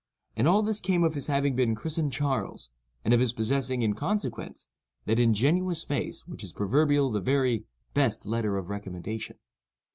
And all this came of his having been christened Charles, and of his possessing, in consequence, that ingenuous face which is proverbially the very "best letter of recommendation."